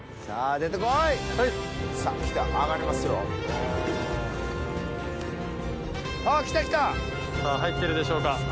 さぁ入ってるでしょうか？